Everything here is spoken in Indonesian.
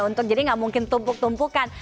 untuk jadi gak mungkin tumpuk tumpukan